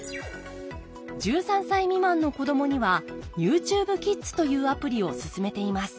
１３歳未満の子どもにはＹｏｕＴｕｂｅＫｉｄｓというアプリを勧めています。